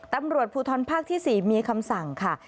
ตำรวจภูทรภาคที่๔มีคำสั่งค่ะ